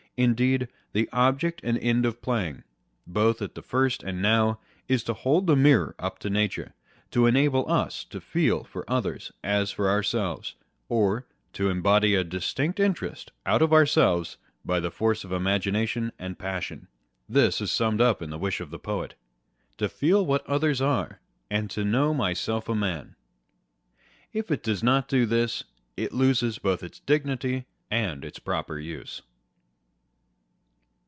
Indeed, the object and end of playing, " both at the first and now, is to hold the mirror up to nature," to enable us to feel for others as for ourselves, or to embody a distinct interest out of ourselves by the force of imagination and passion. This is summed up in the wish of the poet â€" To feel what others are, and know myself a man. If it does not do this, it loses both its dignity and its proper use.